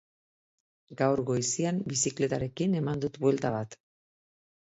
Gaur goizian bizikletarekin eman dut buelta bat.